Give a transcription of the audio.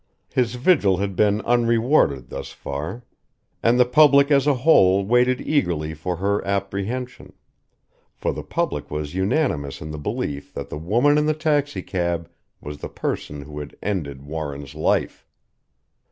His vigil had been unrewarded thus far. And the public as a whole waited eagerly for her apprehension, for the public was unanimous in the belief that the woman in the taxicab was the person who had ended Warren's life.